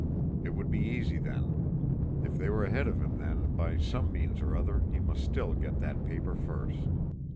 It would be easy then. If they were ahead of him, then, by some means or other, he must still get that paper first.